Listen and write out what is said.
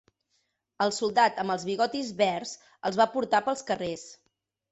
El soldat amb els bigotis verds els va portar pels carrers.